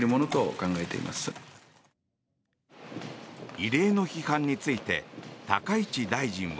異例の批判について高市大臣は。